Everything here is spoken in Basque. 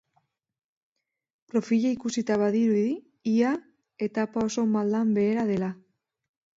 Profila ikusita badirudi ia etapa oso maldan behera dela.